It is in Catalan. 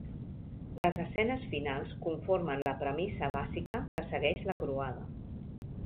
Les escenes finals conformen la premissa bàsica que segueix la croada.